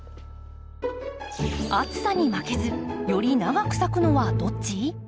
暑さに負けずより長く咲くのはどっち？